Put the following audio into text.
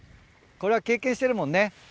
これは経験してるもんね。